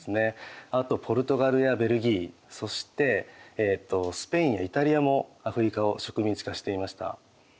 あとポルトガルやベルギーそしてスペインやイタリアもアフリカを植民地化していました。